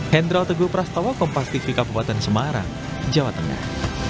hendra teguh prastowo kompas tv kabupaten semarang jawa tengah